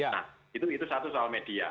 nah itu satu soal media